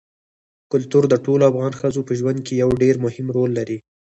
کلتور د ټولو افغان ښځو په ژوند کې یو ډېر مهم رول لري.